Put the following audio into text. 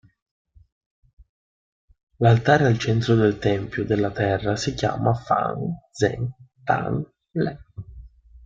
L'altare al centro del Tempio della Terra si chiama "Fang Ze Tan", lett.